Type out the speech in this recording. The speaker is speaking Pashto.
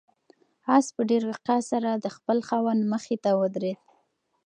آس په ډېر وقار سره د خپل خاوند مخې ته ودرېد.